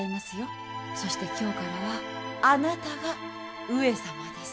そして今日からはあなたが上様です。